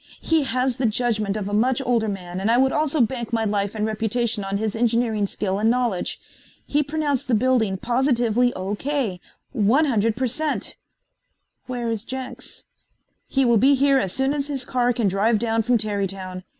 He has the judgment of a much older man and I would also bank my life and reputation on his engineering skill and knowledge. He pronounced the building positively O.K. 100 per cent." "Where is Jenks?" "He will be here as soon as his car can drive down from Tarrytown.